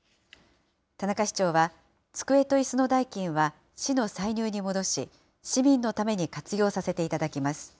田中市長は、机といすの代金は市の歳入に戻し、市民のために活用させていただきます。